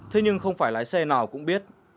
thế nhưng không phải lái xe nào cũng biết